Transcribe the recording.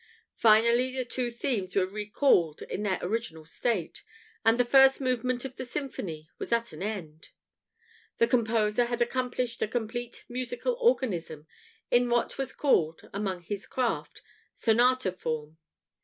Finally, the two themes were recalled in their original state, and the first movement of the symphony was at an end. The composer had accomplished a complete musical organism in what was called, among his craft, "sonata form."